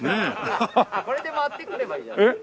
ああこれで回ってくればいいじゃないですか。